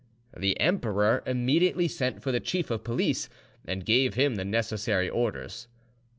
The emperor immediately sent for the chief of police, and gave him the necessary orders.